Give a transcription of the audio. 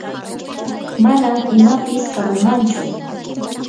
manam imapis kapumanchu.